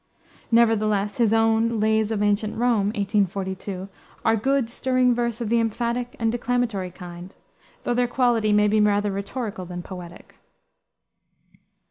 Nevertheless his own Lays of Ancient Rome, 1842, are good, stirring verse of the emphatic and declamatory kind, though their quality may be rather rhetorical than poetic.